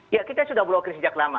ya kita sudah blokir sejak lama